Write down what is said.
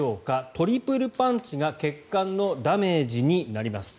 トリプルパンチが血管のダメージになります。